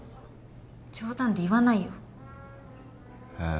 冗談で言わないよ。へ。